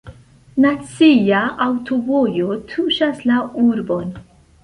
Nacia aŭtovojo tuŝas la urbon.